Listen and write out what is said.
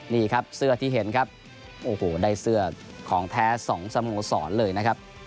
นี่ครับเสื้อที่เห็นครับโอ้โหได้เสื้อของแท้๒สโมสรเลยนะครับ